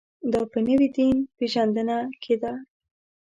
دا په نوې دین پېژندنه کې ده.